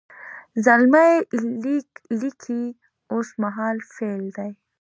زلمی لیک لیکي اوس مهال فعل دی.